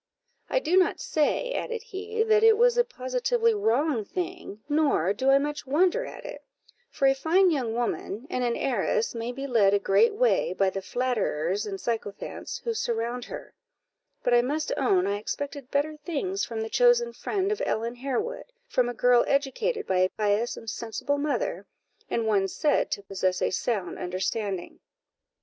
"I do not say," added he, "that it was a positively wrong thing, nor do I much wonder at it; for a fine young woman, and an heiress, may be led a great way, by the flatterers and sycophants who surround her; but I must own I expected better things from the chosen friend of Ellen Harewood, from a girl educated by a pious and sensible mother, and one said to possess a sound understanding."